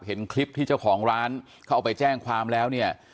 เห็นคลิปที่เจ้าของร้านเขาเอาไปแจ้งความแล้วเนี่ย